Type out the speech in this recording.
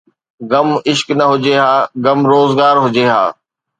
غم عشق نه هجي ها، غم روزگار هجي ها